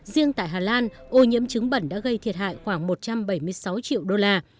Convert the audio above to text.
riêng tại hà lan ô nhiễm trứng bẩn đã gây thiệt hại khoảng một trăm bảy mươi sáu triệu đô la